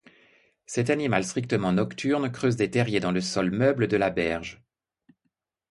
Cet animal strictement nocturne creuse des terriers dans le sol meuble de la berge.